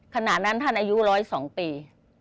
ขณะนั้นท่านอายุ๑๐๒ปี